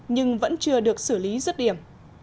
nhưng vẫn chưa được xử lý rứt điểm